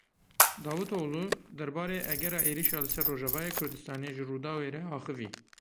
Davutoglu derbarê egera êrişa li ser Rojavayê Kurdistanê ji Rûdawê re axivî.